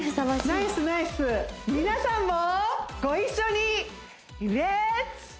ナイスナイス皆さんもご一緒にレッツ！